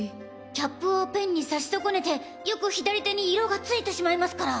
キャップをペンに差し損ねてよく左手に色がついてしまいますから。